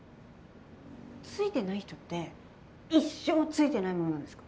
ついてない人って一生ついてないものなんですか？